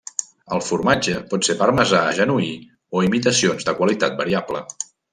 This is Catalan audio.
El formatge pot ser parmesà genuí, o imitacions de qualitat variable.